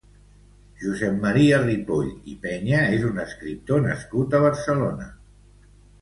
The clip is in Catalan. Josep Maria Ripoll i Peña és un escriptor nascut a Barcelona.